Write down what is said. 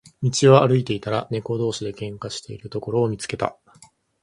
道を歩いていたら、猫同士で喧嘩をしているところを見つけた。